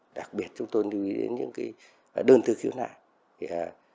đặc biệt chúng tôi nhu y đến những đơn thư khiếu nại